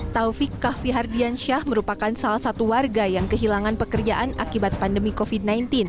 taufik kahfi hardiansyah merupakan salah satu warga yang kehilangan pekerjaan akibat pandemi covid sembilan belas